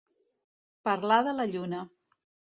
Parlar de la lluna.